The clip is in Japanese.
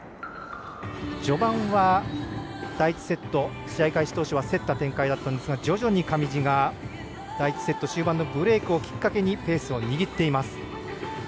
序盤は、第１セット試合開始当初は競った展開だったんですが徐々に上地が第１セット終盤のブレークをきっかけにペースを握っています。